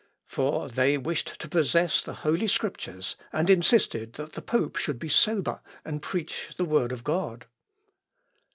_ "For they wished to possess the Holy Scriptures, and insisted that the pope should be sober and preach the Word God."